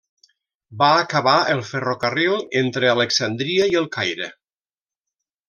Va acabar el ferrocarril entre Alexandria i el Caire.